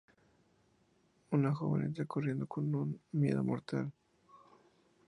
Un joven entra corriendo, con un miedo mortal.